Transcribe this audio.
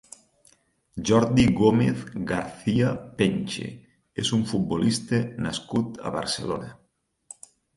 Jordi Gómez García-Penche és un futbolista nascut a Barcelona.